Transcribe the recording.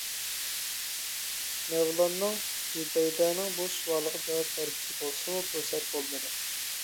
مەۋلاننىڭ زۇبەيدەنىڭ بۇ سوئالىغا جاۋاب بەرگۈسى بولسىمۇ، پۇرسەت بولمىدى.